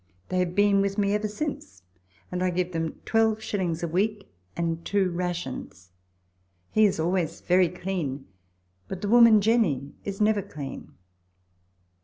They have been with me ever since, and I give them 12s. a week and two rations. He is always very clean ; but the woman, Jenny, is never clean.